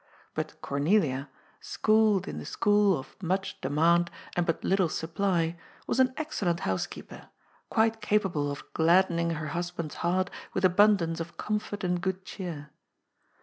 But Cornelia, schooled in the school of much demand and but little supply, was an excellent housekeeper, quite capable of gladdening her husband's heart with abundance of comfort and good cheer.